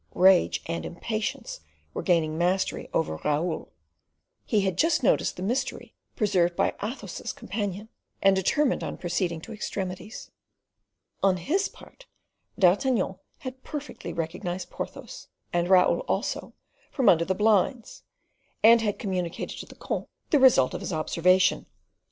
Rage and impatience were gaining mastery over Raoul. He had just noticed the mystery preserved by Athos's companion, and determined on proceeding to extremities. On his part D'Artagnan had perfectly recognized Porthos, and Raoul also, from under the blinds, and had communicated to the comte the result of his observation.